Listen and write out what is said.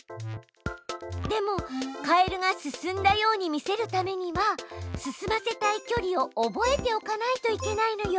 でもカエルが進んだように見せるためには進ませたい距離を覚えておかないといけないのよ。